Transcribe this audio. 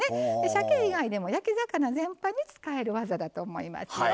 さけ以外にも焼き魚全般に使える技だと思いますよ。